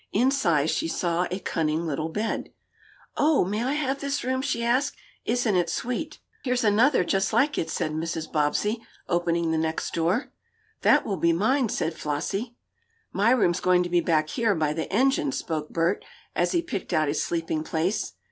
Inside she saw a cunning little bed. "Oh, may I have this room?" she asked. "Isn't it sweet!" "Here's another just like it," said Mrs. Bobbsey, opening the next door. "That will be mine," said Flossie. "My room's going to be back here, by the engine," spoke Bert, as he picked out his sleeping place.